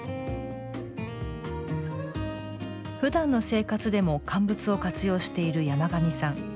ふだんの生活でも乾物を活用している山上さん。